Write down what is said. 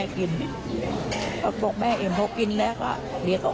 ก็บอกแม่เอ็มโภกินแล้วก็เหลี่ยนเข้าอ้น